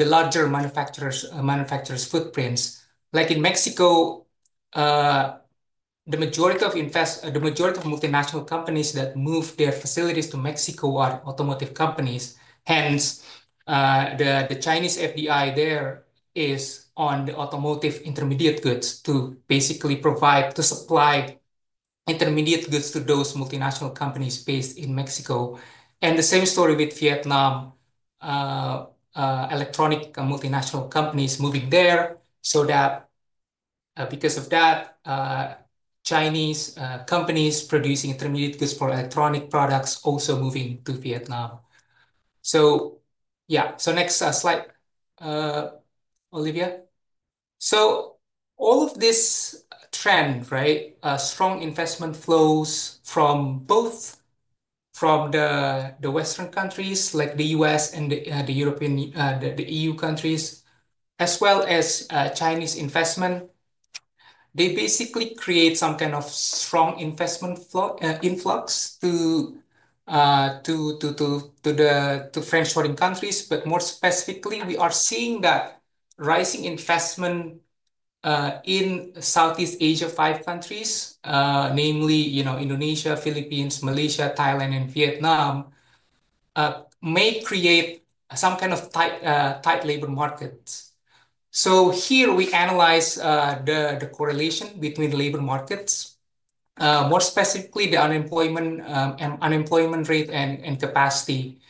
larger manufacturers' footprints. Like in Mexico, the majority of multinational companies that move their facilities to Mexico are automotive companies. Hence, the Chinese FDI there is on the automotive intermediate goods to basically provide, to supply intermediate goods to those multinational companies based in Mexico. And the same story with Vietnam, electronic multinational companies moving there so that because of that, Chinese companies producing intermediate goods for electronic products also moving to Vietnam. So yeah, so next slide, Olivia. So all of this trend, right, strong investment flows from both the Western countries like the U.S. and the European the E.U. countries, as well as Chinese investment. They basically create some kind of strong investment influx to the friend-shoring countries. But more specifically, we are seeing that rising investment in Southeast Asia five countries, namely, you know, Indonesia, Philippines, Malaysia, Thailand, and Vietnam, may create some kind of tight labor markets. So here we analyze the correlation between labor markets, more specifically the unemployment rate and capacity.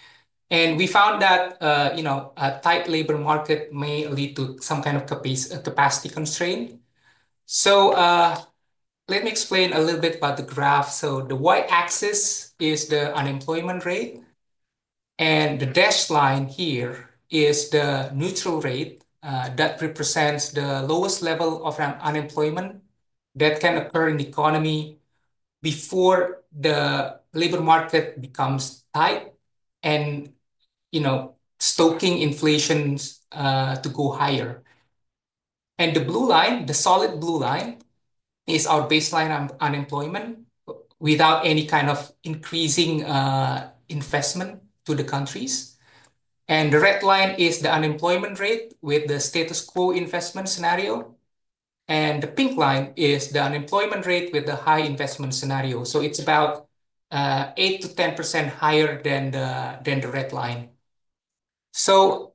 And we found that, you know, a tight labor market may lead to some kind of capacity constraint. So let me explain a little bit about the graph. So the y-axis is the unemployment rate. And the dashed line here is the neutral rate that represents the lowest level of unemployment that can occur in the economy before the labor market becomes tight and, you know, stoking inflation to go higher. And the blue line, the solid blue line, is our baseline unemployment without any kind of increasing investment to the countries. And the red line is the unemployment rate with the status quo investment scenario. And the pink line is the unemployment rate with the high investment scenario. So it's about 8%-10% higher than the red line. So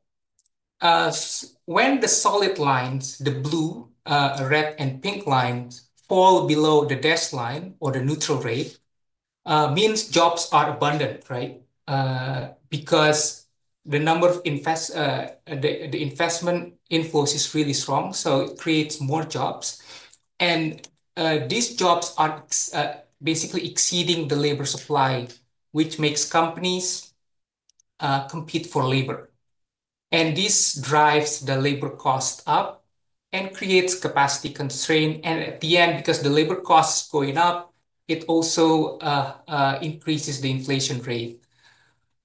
when the solid lines, the blue, red, and pink lines fall below the dashed line or the neutral rate, it means jobs are abundant, right? Because the number of investment inflows is really strong. So it creates more jobs. And these jobs are basically exceeding the labor supply, which makes companies compete for labor. And this drives the labor cost up and creates capacity constraint. And at the end, because the labor cost is going up, it also increases the inflation rate.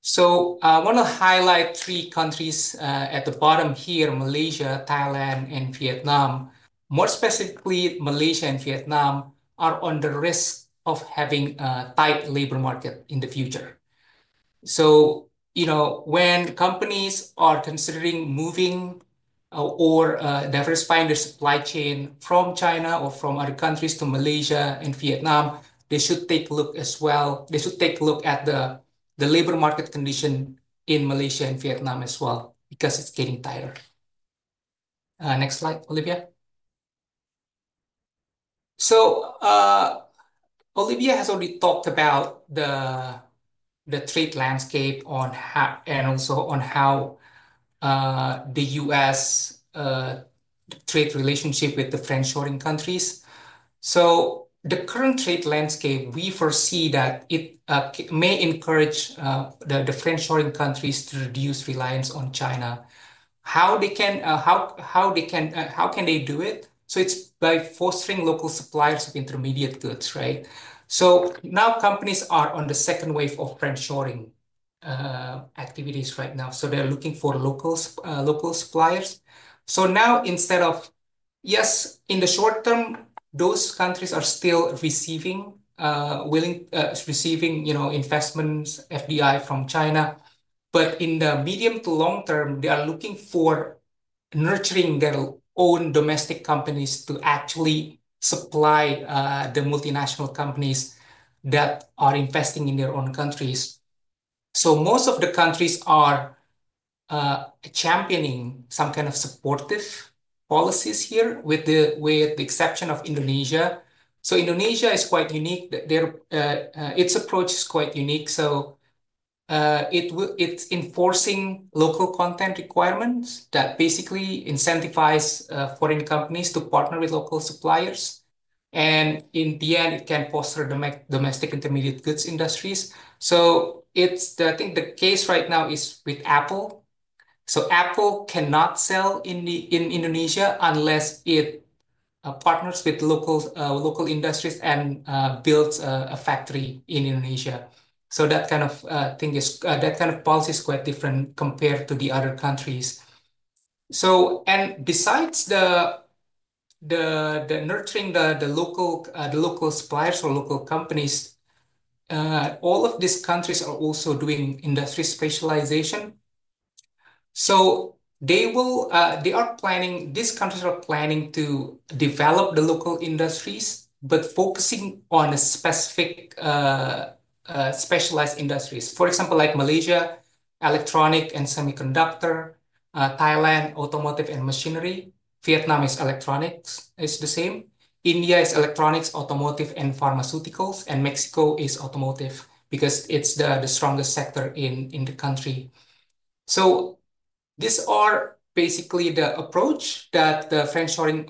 So I want to highlight three countries at the bottom here, Malaysia, Thailand, and Vietnam. More specifically, Malaysia and Vietnam are under risk of having a tight labor market in the future. So, you know, when companies are considering moving or diversifying their supply chain from China or from other countries to Malaysia and Vietnam, they should take a look as well. They should take a look at the labor market condition in Malaysia and Vietnam as well because it's getting tighter. Next slide, Olivia. So Olivia has already talked about the trade landscape and also on how the U.S. trade relationship with the friend-shoring countries. So the current trade landscape, we foresee that it may encourage the friend-shoring countries to reduce reliance on China. How they can, how can they do it? So it's by fostering local suppliers of intermediate goods, right? So now companies are on the second wave of friend-shoring activities right now. So they're looking for local suppliers. So now instead of, yes, in the short term, those countries are still receiving, you know, investments, FDI from China. But in the medium to long term, they are looking for nurturing their own domestic companies to actually supply the multinational companies that are investing in their own countries. So most of the countries are championing some kind of supportive policies here with the exception of Indonesia. So Indonesia is quite unique. Its approach is quite unique. So it's enforcing local content requirements that basically incentivize foreign companies to partner with local suppliers. And in the end, it can foster domestic intermediate goods industries. So I think the case right now is with Apple. So Apple cannot sell in Indonesia unless it partners with local industries and builds a factory in Indonesia. So that kind of thing is, that kind of policy is quite different compared to the other countries. And besides the nurturing the local suppliers or local companies, all of these countries are also doing industry specialization. So they are planning, these countries are planning to develop the local industries, but focusing on a specific specialized industries. For example, like Malaysia, electronic and semiconductor, Thailand, automotive and machinery. Vietnam is electronics, it's the same. India is electronics, automotive and pharmaceuticals, and Mexico is automotive because it's the strongest sector in the country. So these are basically the approach that the friend-shoring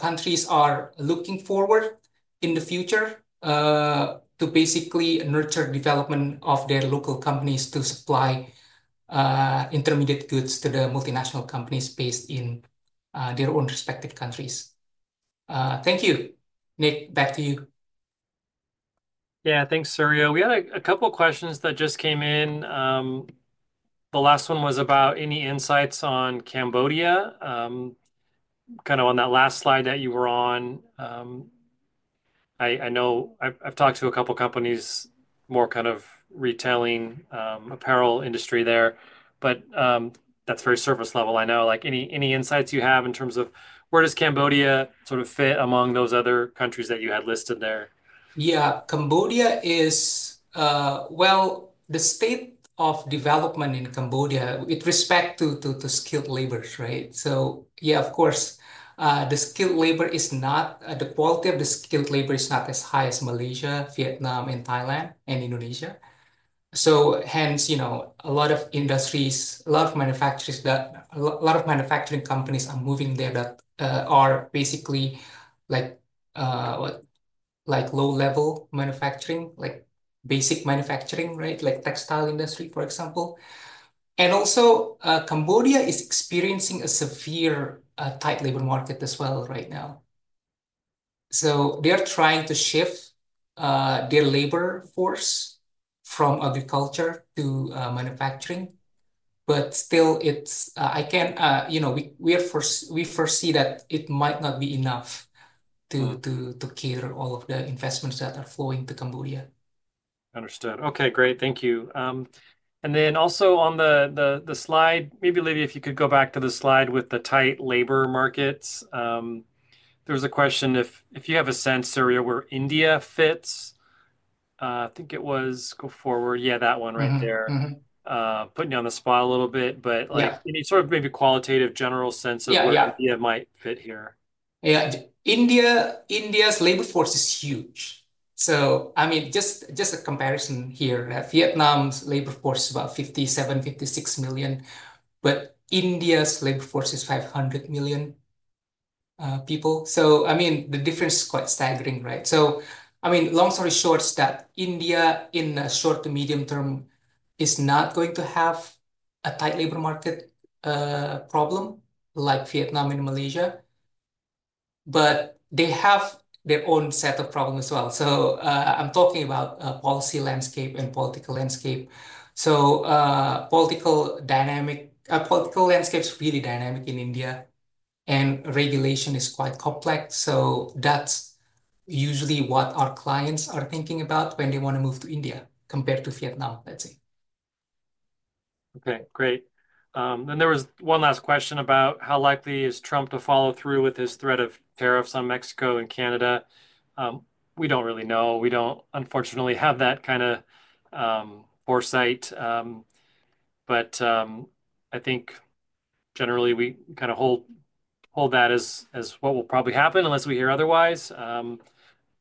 countries are looking forward to in the future to basically nurture development of their local companies to supply intermediate goods to the multinational companies based in their own respective countries. Thank you, Nick. Back to you. Yeah, thanks, Suryo. We had a couple of questions that just came in. The last one was about any insights on Cambodia, kind of on that last slide that you were on. I know I've talked to a couple of companies, more kind of retailing apparel industry there, but that's very surface level. I know like any insights you have in terms of where does Cambodia sort of fit among those other countries that you had listed there? Yeah, Cambodia is, well, the state of development in Cambodia with respect to skilled labor, right, so yeah, of course, the skilled labor is not, the quality of the skilled labor is not as high as Malaysia, Vietnam, and Thailand, and Indonesia. So hence, you know, a lot of industries, a lot of manufacturers, a lot of manufacturing companies are moving there that are basically like low-level manufacturing, like basic manufacturing, right? Like textile industry, for example, and also Cambodia is experiencing a severe tight labor market as well right now, so they're trying to shift their labor force from agriculture to manufacturing. But still, you know, we foresee that it might not be enough to cater all of the investments that are flowing to Cambodia. Understood. Okay, great. Thank you. And then also on the slide, maybe Olivia, if you could go back to the slide with the tight labor markets. There was a question if you have a sense, Suryo, where India fits. I think it was, go forward. Yeah, that one right there. Putting you on the spot a little bit, but like any sort of maybe qualitative general sense of where India might fit here. Yeah, India's labor force is huge. So I mean, just a comparison here. Vietnam's labor force is about 57, 56 million. But India's labor force is 500 million people. So I mean, the difference is quite staggering, right? I mean, long story short, that India in the short to medium term is not going to have a tight labor market problem like Vietnam and Malaysia. But they have their own set of problems as well. I'm talking about policy landscape and political landscape. Political dynamic, political landscape is really dynamic in India. And regulation is quite complex. That's usually what our clients are thinking about when they want to move to India compared to Vietnam, let's say. Okay, great. Then there was one last question about how likely is Trump to follow through with his threat of tariffs on Mexico and Canada. We don't really know. We don't unfortunately have that kind of foresight. I think generally we kind of hold that as what will probably happen unless we hear otherwise.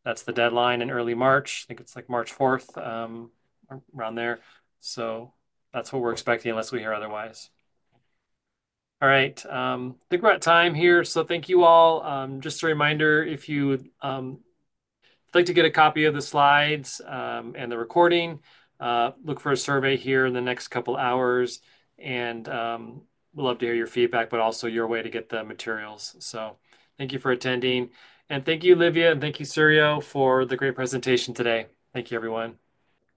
That's the deadline in early March. I think it's like March 4th, around there. That's what we're expecting unless we hear otherwise. All right. I think we're at time here. Thank you all. Just a reminder, if you'd like to get a copy of the slides and the recording, look for a survey here in the next couple of hours. We'd love to hear your feedback, but also your way to get the materials. Thank you for attending. Thank you, Olivia, and thank you, Suryo, for the great presentation today. Thank you, everyone.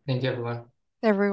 Thank you, everyone. Thank.